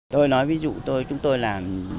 tôi nói ví dụ tôi chúng tôi làm công tác học của học